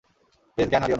Please জ্ঞান হারিয়ো না।